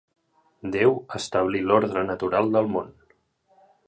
Déu establí l'ordre natural del món.